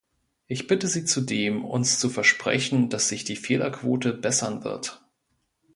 Ich bitte Sie zudem, uns zu versprechen, dass sich die Fehlerquote bessern wird.